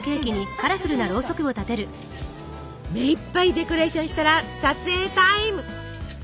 目いっぱいデコレーションしたら撮影タイム！